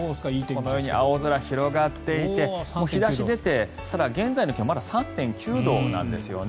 このように青空、広がっていて日差しが出てただ、現在の気温はまだ３．９度なんですよね。